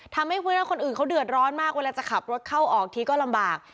ทำให้พื้นคนอื่นเขาเดือดร้อนมากเวลาจะขับรถเข้าออกทีก็ลำบาก